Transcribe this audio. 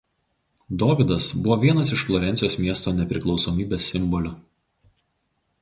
Dovydas buvo vienas iš Florencijos miesto nepriklausomybės simbolių.